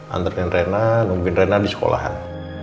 antrepin rena nungguin rena di sekolahan